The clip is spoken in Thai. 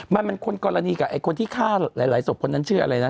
มันมันคนกรณีการคนที่ฆ่าหลายสมพนนั้นเชื่ออะไรนะ